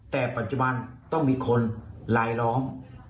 แต่ปัจจุบันต้องมีคนลายล้อม